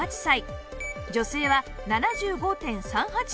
女性は ７５．３８ 歳です